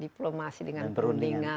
diplomasi dengan perundingan